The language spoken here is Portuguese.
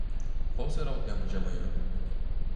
Qual será o tempo de amanhã?